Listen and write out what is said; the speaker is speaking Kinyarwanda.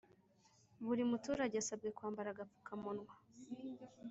Burimuturage asabwe kwambara agapfuka munwa